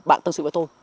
bạn tâm sự với tôi